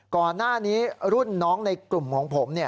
ก่อนหน้านี้รุ่นน้องในกลุ่มของผม